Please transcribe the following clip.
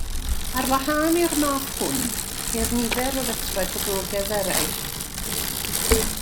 Ar wahân i'r math hwn, ceir nifer o restrau poblogaidd eraill.